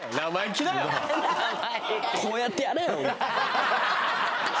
こうやってやれよ！